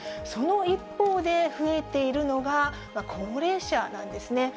その一方で、増えているのが、高齢者なんですね。